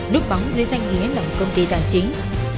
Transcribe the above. núp bóng dưới danh nghĩa là một công ty tài chính